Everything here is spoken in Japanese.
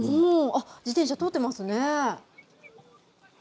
自転車、通ってますね。